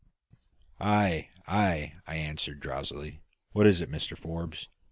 "Ay, ay," I answered drowsily; "what is it, Mr Forbes?"